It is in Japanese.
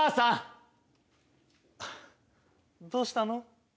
あっどうしたの？